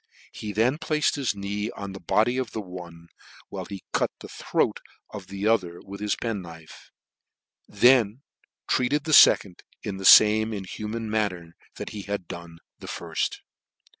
He then placed his knee on the body of the one, while he cut the throat of the other with his pen knife j and then treated the fecond in the fame in human manner that he had done the firft.